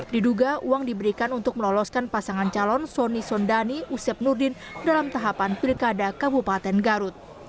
diduga uang diberikan untuk meloloskan pasangan calon soni sondani usep nurdin dalam tahapan pilkada kabupaten garut